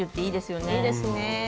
いいですね。